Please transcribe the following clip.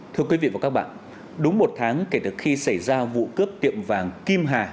thưa quý vị và các bạn đúng một tháng kể từ khi xảy ra vụ cướp tiệm vàng kim hà